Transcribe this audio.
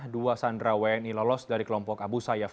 dua sandera wni lolos dari kelompok abu sayyaf